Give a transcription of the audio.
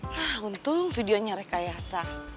hah untung videonya rekayasa